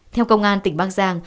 theo công an tỉnh bắc giang